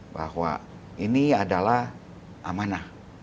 bahwa ini adalah amanah